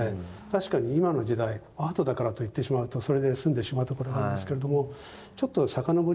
確かに今の時代アートだからと言ってしまうとそれで済んでしまうところなんですけれどちょっと遡りますとね。